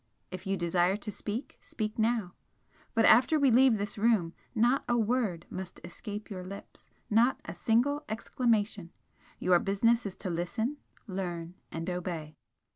If you desire to speak, speak now but after we leave this room not a word must escape your lips not a single exclamation, your business is to listen, learn and obey!"